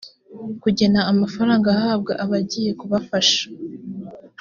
kugena amafaranga ahabwa abagiye kubafasha